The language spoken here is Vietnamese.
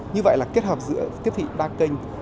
như vậy là kết hợp giữa tiếp thị đa kênh